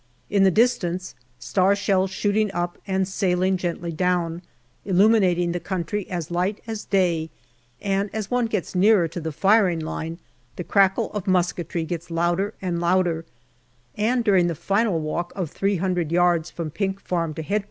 In the distance, star shells shooting up and sailing gently down, illuminating the country as light as day, and as one gets nearer to the firing line the crackle of musketry gets louder JUNE 135 and louder, and during the final walk of three hundred yards from Pink Farm to H.Q.